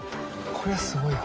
これはすごいわ。